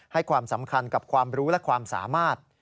ให้ความสำคัญกับความรู้และความสามารถ